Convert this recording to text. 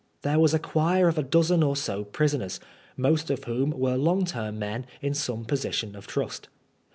There was a choir of a dozen or so prisoners, most of whom were long term men in some position of trust.